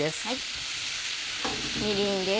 みりんです。